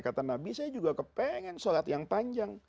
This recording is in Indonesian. kata nabi saya juga ingin solat yang panjang